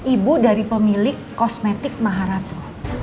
ibu dari pemilik kosmetik maharato